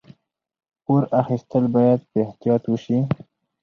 پور اخیستل باید په احتیاط وشي.